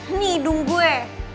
ini hidung gue